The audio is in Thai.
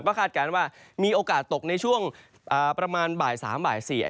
ก็คาดการณ์ว่ามีโอกาสตกในช่วงประมาณบ่าย๓บ่าย๔